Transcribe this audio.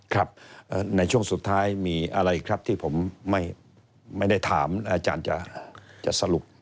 ครับในช่วงสุดท้ายมีอะไรครับที่ผมไม่ได้ถามอาจารย์จะสรุป